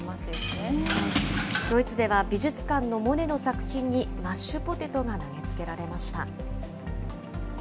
ドイツでは、美術館のモネの作品にマッシュポテトが投げつけられました。